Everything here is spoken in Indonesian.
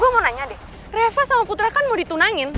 lo nanya deh reva sama putra kan mau ditunangin